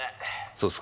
そうっすか。